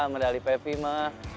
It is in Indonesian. medali pevi mah